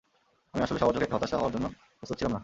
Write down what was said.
আমি আসলে সবার চোখে একটা হতাশা হওয়ার জন্য প্রস্তুত ছিলাম না।